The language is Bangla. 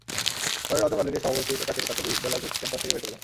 পরে রজব আলীকে সভাপতি পেটাতে পেটাতে বিদ্যালয় ক্যাম্পাস থেকে বের করে দেন।